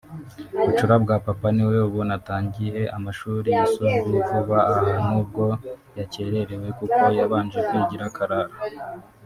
bucura bwa papa niwe ubu natangihe amashuri yisumbuye vuba aha n’ubwo yakererewe kuko yabanje kwigira akarara